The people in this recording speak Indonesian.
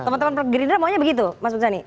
teman teman gerinda maunya begitu mas munzani